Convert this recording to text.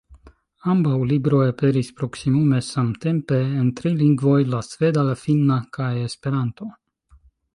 Ambaŭ libroj aperis proksimume samtempe en tri lingvoj, la sveda, la finna kaj Esperanto.